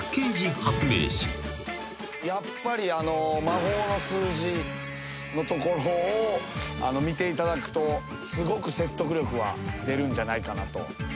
やっぱり魔法の数字のところを見ていただくとすごく説得力は出るんじゃないかなと思っております。